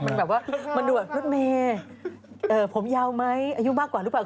มันแบบว่ามาด่วนรถเมย์ผมยาวไหมอายุมากกว่าหรือเปล่า